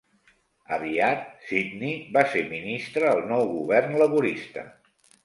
Aviat, Sidney va ser ministre al nou govern laborista.